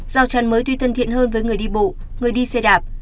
rào trán mới tuy thân thiện hơn với người đi bộ người đi xe đạp